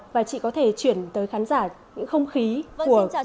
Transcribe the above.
và chị có thể chuyển tới khán giả những không khí của bầu cử tại đây